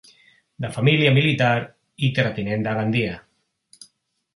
De família militar i terratinent de Gandia.